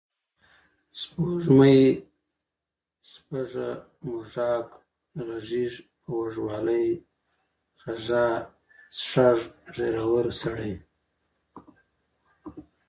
سپوږمۍ، سپږه، موږک، غږیز، غوږ والۍ، خَږا، شَږ، ږېرور سړی